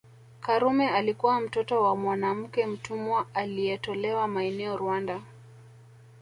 Karume alikuwa mtoto wa mwanamke mtumwa alietolewa maeneo Rwanda